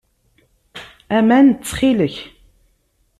Aman, ttxil-k.